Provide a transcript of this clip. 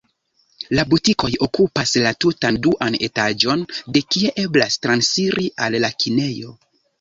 La butikoj okupas la tutan duan etaĝon, de kie eblas transiri al la kinejo.